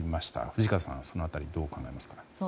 藤川さんは、その辺りどうご覧になりますか。